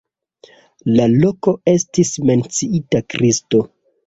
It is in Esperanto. La loko estis menciita Kristo.